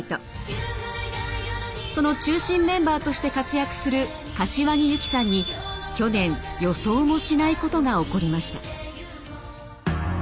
その中心メンバーとして活躍する柏木由紀さんに去年予想もしないことが起こりました。